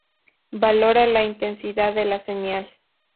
Valora la intensidad de la señal.